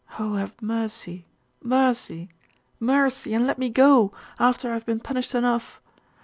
Oh, have mercy mercy mercy and let me go after I have been punished enough!